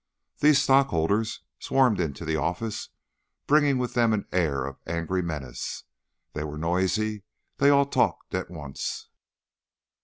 These stockholders swarmed into the office, bringing with them an air of angry menace; they were noisy; they all talked at once.